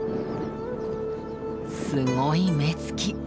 すごい目つき。